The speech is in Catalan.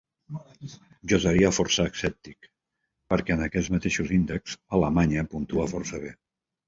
Jo seria força escèptic perquè en aquests mateixos índex, Alemanya puntua força bé.